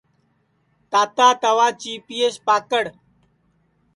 تاتا توا چیپئیس پکڑ